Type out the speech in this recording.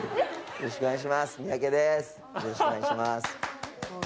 よろしくお願いします